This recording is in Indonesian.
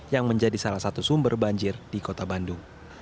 yang menjadi salah satu sumber banjir di kota bandung